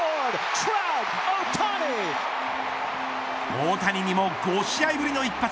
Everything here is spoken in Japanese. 大谷にも５試合ぶりの一発。